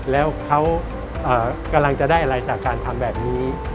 แล้วเขากำลังจะได้อะไรจากการทำแบบนี้